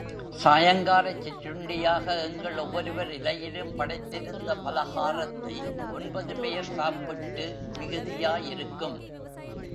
சாயங்காலச் சிற்றுண்டியாக எங்கள் ஒவ்வொருவர் இலையிலும் படைத்திருந்த பலஹாரத்தை ஒன்பது பெயர் சாப்பிட்டு மிகுதியாயிருக்கும்!